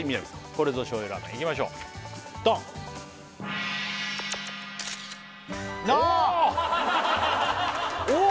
これぞ醤油ラーメンいきましょうドンあーっ！